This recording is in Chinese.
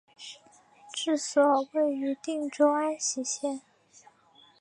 治所位于定州安喜县。